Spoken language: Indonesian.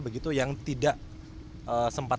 begitu yang tidak sempat